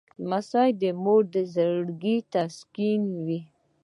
لمسی د مور زړګی تسکینوي.